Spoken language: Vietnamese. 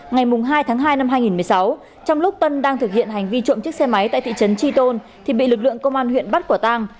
ngày hai tháng hai năm hai nghìn một mươi sáu trong lúc tân đang thực hiện hành vi trộm chiếc xe máy tại thị trấn tri tôn thì bị lực lượng công an huyện bắt quả tang